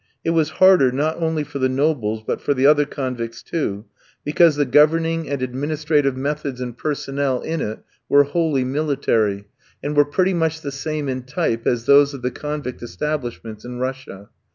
It was harder, not only for the nobles but for the other convicts too, because the governing and administrative methods and personnel in it were wholly military, and were pretty much the same in type as those of the convict establishments in Russia.